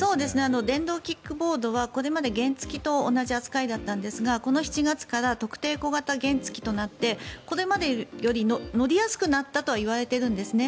電動キックボードはこれまで原付きと同じ扱いだったんですがこの７月から特定小型原付きとなってこれまでより乗りやすくなったといわれているんですね。